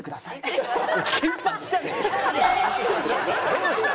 どうした？